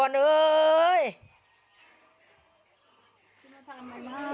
มันโณีโค่ะ